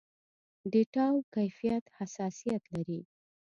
ډېټاوو کيفيت حساسيت لري.